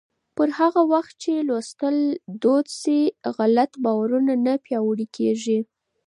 پر هغه وخت چې لوستل دود شي، غلط باورونه نه پیاوړي کېږي.